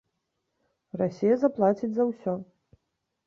Расія заплаціць за ўсё!